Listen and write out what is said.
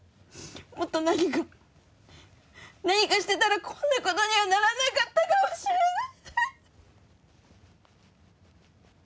もっと何か何かしてたらこんなことにはならなかったかもしれない。